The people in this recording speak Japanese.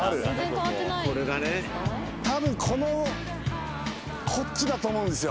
多分このこっちだと思うんですよ。